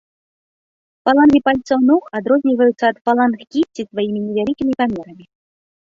Фалангі пальцаў ног адрозніваюцца ад фаланг кісці сваімі невялікімі памерамі.